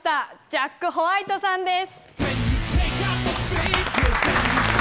ジャック・ホワイトさんです。